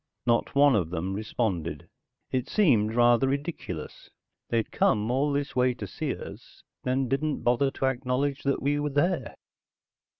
Not one of them responded. It seemed rather ridiculous. They'd come all this way to see us, then didn't bother to acknowledge that we were there.